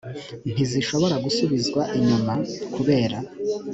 ntizishobora gusubizwa inyuma kubera